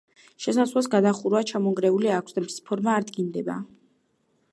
შესასვლელს გადახურვა ჩამონგრეული აქვს და მისი ფორმა არ დგინდება.